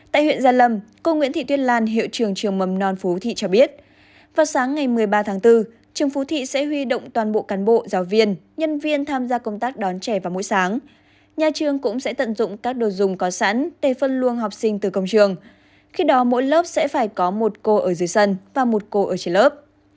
khi đó mỗi lớp sẽ phải có một cô ở dưới sân và một cô ở trên lớp